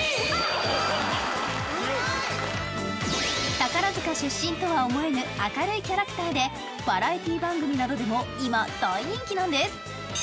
宝塚出身とは思えぬ明るいキャラクターでバラエティー番組などでも今、大人気なんです！